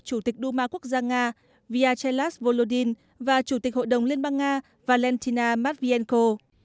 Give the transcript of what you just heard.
chủ tịch đu ma quốc gia nga vyacheslav volodin và chủ tịch hội đồng liên bang nga valentina matvienko